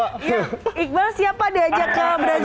ya iqbal siap pak diajak ke brazil